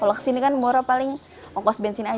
kalau kesini kan murah paling ongkos bensin aja sih